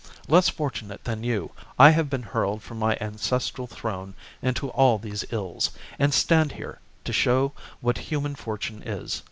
Less fortunate THE JUGURTHINE WAR. 1 39 than you, I have been hurled from my ancestral throne chap. into all these ills, and stand here, to show what human fortune is.